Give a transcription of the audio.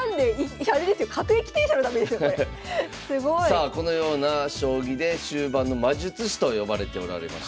さあこのような将棋で終盤の魔術師と呼ばれておられました。